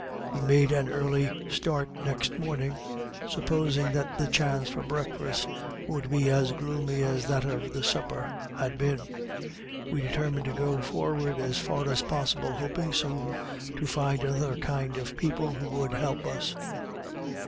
We made an early start next morning, supposing that the chance for breakfast would be as gloomy as that of the supper had been. We determined to go forward as far as possible, hoping soon to find another kind of people, who would help us.